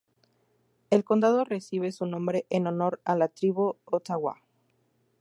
El condado recibe su nombre en honor a la tribu Ottawa.